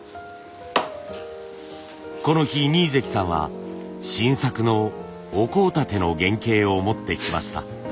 この日二位関さんは新作のお香立ての原型を持ってきました。